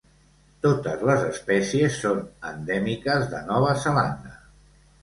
Totes les espècies són endèmiques de Nova Zelanda.